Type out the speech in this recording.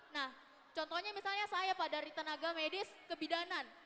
nah contohnya misalnya saya pak dari tenaga medis kebidanan